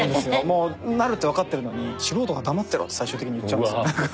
もうなるってわかってるのに素人が黙ってろって最終的に言っちゃうんですよね何か。